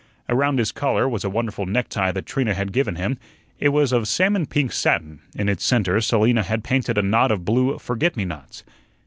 Around his collar was a wonderful necktie that Trina had given him; it was of salmon pink satin; in its centre Selina had painted a knot of blue forget me nots.